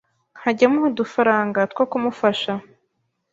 nkajya muha udufaranga two kumufasha,